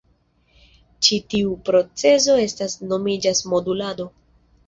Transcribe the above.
Ĉi tiu procezo estas nomiĝas "modulado.